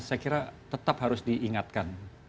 saya kira tetap harus diingatkan